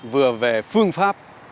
vừa về phương pháp